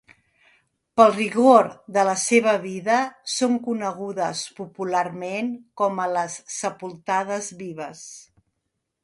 Pel rigor de la seva vida són conegudes popularment com a les sepultades vives.